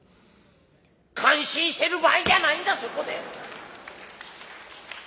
感心してる場合じゃないんだそこで」。